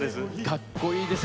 かっこいいです。